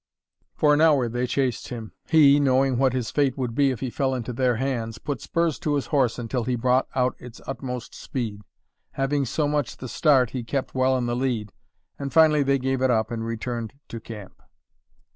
For an hour they chased him. He, knowing what his fate would be if he fell into their hands, put spurs to his horse until he brought out its utmost speed. Having so much the start he kept well in the lead, and finally they gave it up and returned to camp.